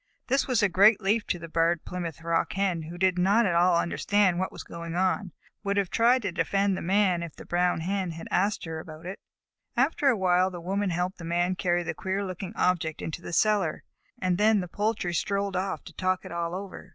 This was a great relief to the Barred Plymouth Rock Hen, who did not at all understand what was going on, but would have tried to defend the Man if the Brown Hen had asked her about it. After a while the Woman helped the Man carry the queer looking object into the cellar, and then the poultry strolled off to talk it all over.